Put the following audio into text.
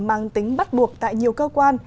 mang tính bắt buộc tại nhiều cơ quan